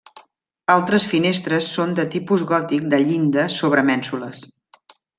Altres finestres són de tipus gòtic de llinda sobre mènsules.